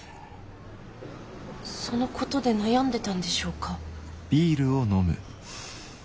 そのことで悩んでたんでしょうか。